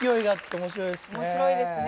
面白いですね。